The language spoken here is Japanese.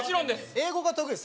英語が得意です。